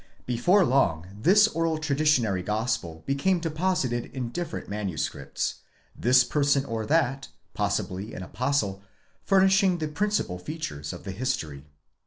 Be fore long this oral traditionary Gospel became deposited in different manu 'scripts: this person or that, possibly an apostle, furnishing the principal features of the history.